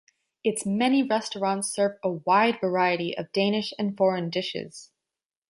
Its many restaurants serve a wide variety of Danish and foreign dishes.